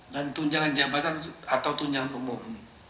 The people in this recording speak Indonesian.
dan tunjangan jabatan atau tunjangan umum